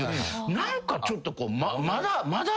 何かちょっと。